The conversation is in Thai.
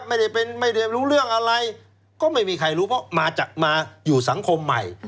ไม่ได้เป็นไม่ได้รู้เรื่องอะไรก็ไม่มีใครรู้เพราะมาจากมาอยู่สังคมใหม่